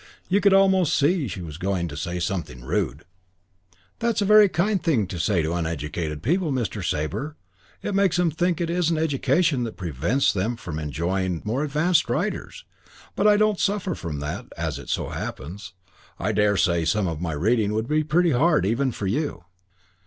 You could almost see she was going to say something rude. "That's a very kind thing to say to uneducated people, Mr. Sabre. It makes them think it isn't education that prevents them enjoying more advanced writers. But I don't suffer from that, as it so happens. I daresay some of my reading would be pretty hard even for you."